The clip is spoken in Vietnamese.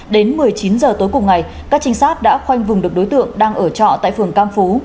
đến một mươi chín h tối cùng ngày các trinh sát đã khoanh vùng được đối tượng đang ở trọ tại phường cam phú